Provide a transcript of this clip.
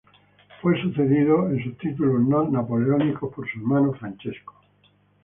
Fue sucedido en sus títulos no napoleónicos por su hermano Francesco.